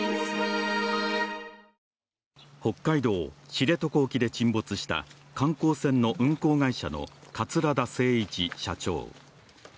北海道知床沖で沈没した観光船の運航会社の桂田精一社長。